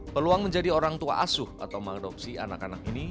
peluang menjadi orang tua asuh atau mengadopsi anak anak ini